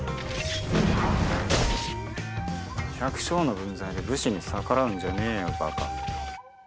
百姓の分際で武士に逆らうんじゃねえよ、バカ。